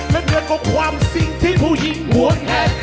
และเนื้อก็ความสิ่งที่ผู้หญิงหวงแห่ง